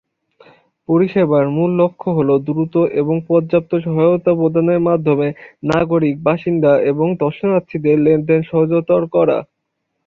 পরিষেবার মূল লক্ষ্য হল দ্রুত এবং পর্যাপ্ত সহায়তা প্রদানের মাধ্যমে নাগরিক, বাসিন্দা এবং দর্শনার্থীদের লেনদেন সহজতর করা।